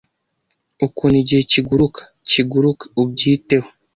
Ukuntu igihe kiguruka ... kiguruka ...ubyiteho